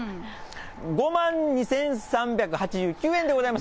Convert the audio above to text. ５万２３８９円でございます。